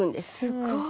すごい！